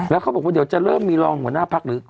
แล้วเขาบอกว่าเดี๋ยวจะเริ่มมีรองหัวหน้าพักหรือ